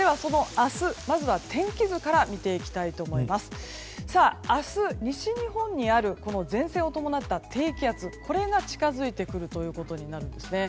明日、西日本にある前線を伴った低気圧これが近づいてくるということになるんですね。